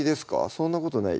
そんなことない？